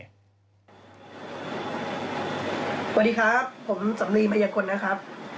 สวัสดีครับผมสำลีมัยกลนะครับ